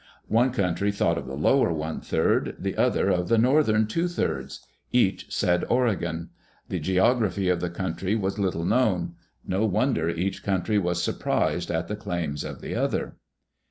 One country thought of the lower one third, the other of the northern two thirds. Each said " Oregon." The geography of the country was little known. No wonder each country was surprised at the claims of the other.